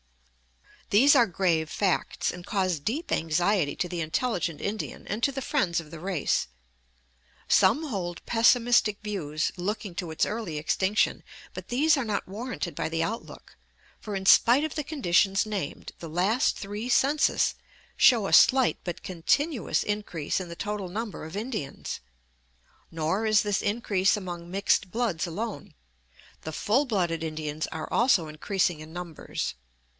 These are grave facts, and cause deep anxiety to the intelligent Indian and to the friends of the race. Some hold pessimistic views looking to its early extinction; but these are not warranted by the outlook, for in spite of the conditions named, the last three census show a slight but continuous increase in the total number of Indians. Nor is this increase among mixed bloods alone; the full blooded Indians are also increasing in numbers.